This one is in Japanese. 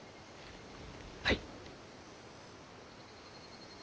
はい。